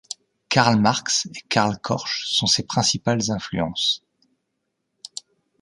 Karl Marx et Karl Korsch sont ses principales influences.